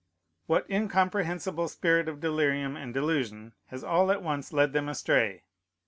"What incomprehensible spirit of delirium and delusion has all at once led them astray?